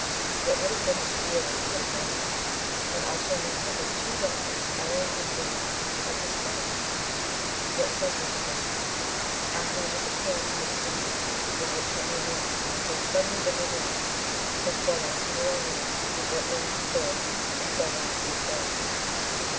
What would have been his feelings had he known this, and also known that his two daughters, Ellen and Jane, were his slaves? Yet such was the fact. After the disappearance of the disease with which Henry Morton had so suddenly been removed, his brother went to New Orleans to give what aid he could in settling up the affairs.